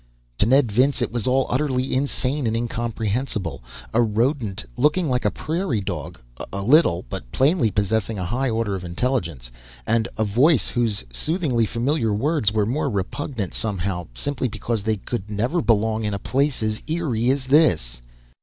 To Ned Vince, it was all utterly insane and incomprehensible. A rodent, looking like a prairie dog, a little; but plainly possessing a high order of intelligence. And a voice whose soothingly familiar words were more repugnant somehow, simply because they could never belong in a place as eerie as this.